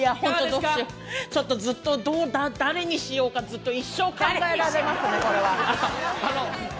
ちょっとずっと誰にしようか、一生考えられますね、これは。